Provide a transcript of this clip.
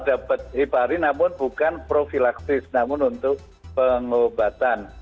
dapat heparin namun bukan profilaksis namun untuk pengobatan